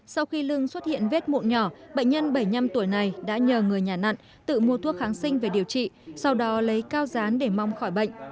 sau khi lưng xuất hiện vết mụn nhỏ bệnh nhân bảy mươi năm tuổi này đã nhờ người nhà nặng tự mua thuốc kháng sinh về điều trị sau đó lấy cao rán để mong khỏi bệnh